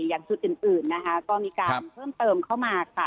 อย่างจุดอื่นนะคะก็มีการเพิ่มเติมเข้ามาค่ะ